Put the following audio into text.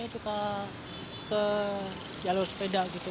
itu ke jalur sepeda gitu